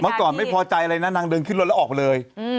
ก่อนไม่พอใจอะไรนะนางเดินขึ้นรถแล้วออกไปเลย